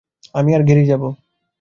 আমি আর গ্যারি যাবো।